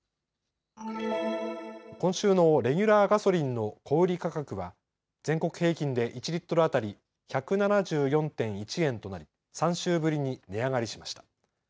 今週のレギュラーガソリンの小売価格は全国平均で１リットル当たり、１７４．１円となり３週ぶりに値上がりしました。